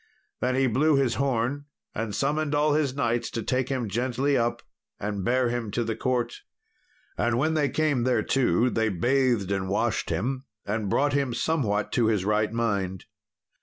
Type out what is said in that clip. Then he blew his horn, and summoned all his knights to take him gently up and bear him to the court. And when they came thereto they bathed and washed him, and brought him somewhat to his right mind.